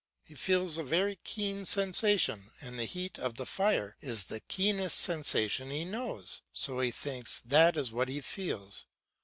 He feels a very keen sensation, and the heat of the fire is the keenest sensation he knows, so he thinks that is what he feels.